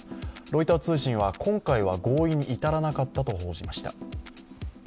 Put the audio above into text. ロイター通信は今回は合意に至らなかったと報じました。